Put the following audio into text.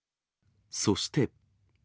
そして。